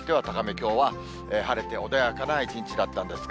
きょうは晴れて穏やかな一日だったんですが。